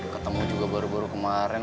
ketemu juga baru baru kemarin